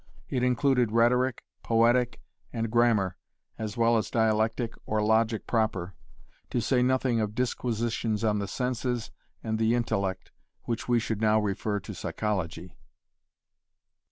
It included rhetoric, poetic, and grammar as well as dialectic or logic proper, to say nothing of disquisitions on the senses and the intellect which we should now refer to psychology.